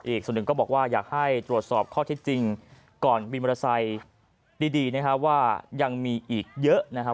อีกส่วนหนึ่งก็บอกว่าอยากให้ตรวจสอบข้อที่จริงก่อนบินมอเตอร์ไซค์ดีนะครับว่ายังมีอีกเยอะนะครับ